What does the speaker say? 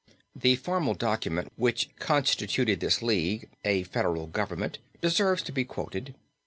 The formal document which constituted this league a federal government deserves to be quoted.